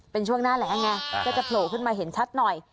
เป็นช่วงหน้าแรงไงก็จะโผล่ขึ้นมาเห็นชัดหน่อย